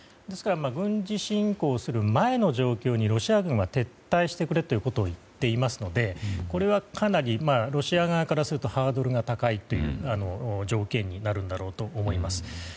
軍事侵攻する前の状況にロシア軍が撤退してくれと言っていますのでこれはかなりロシア側からするとハードルが高い条件になるんだろうと思います。